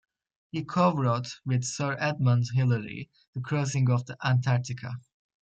He co-wrote, with Sir Edmund Hillary, "The Crossing of Antarctica".